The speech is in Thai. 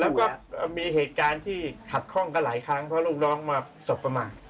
แล้วก็มีเหตุการณ์ที่ขัดข้องกันหลายครั้งเพราะลูกน้องมาสบประมาท